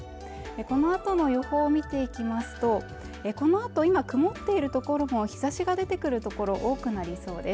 このあとの予報見ていきますと今曇っているところも日差しが出てくる所多くなりそうです